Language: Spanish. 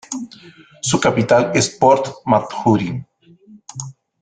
Su capital es Port Mathurin.